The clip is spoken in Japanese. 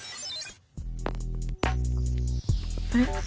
あれ？